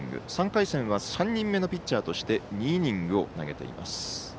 ３回戦は３人目のピッチャーとして２イニングを投げています。